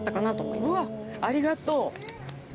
うわありがとう。